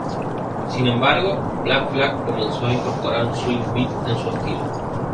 Sin embargo, Black Flag comenzó a incorporar un swing beat en su estilo.